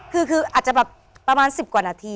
คืออาจจะแบบประมาณ๑๐กว่านาที